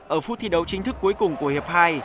ở phút thi đấu chính thức cuối cùng của hiệp hai